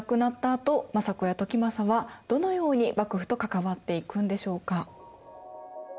あと政子や時政はどのように幕府と関わっていくんでしょうか。